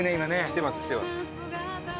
来てます来てます。